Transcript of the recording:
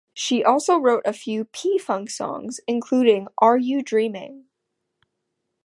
She also wrote a few P-Funk songs including Are You Dreaming?